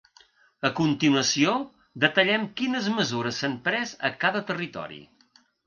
A continuació, detallem quines mesures s’han pres a cada territori.